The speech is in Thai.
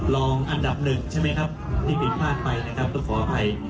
อันดับหนึ่งใช่ไหมครับที่ผิดพลาดไปนะครับต้องขออภัย